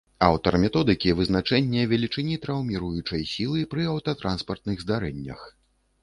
Аўтар методыкі вызначэння велічыні траўміруючай сілы пры аўтатранспартных здарэннях.